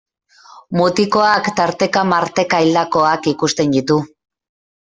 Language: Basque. Mutikoak tarteka-marteka hildakoak ikusten ditu.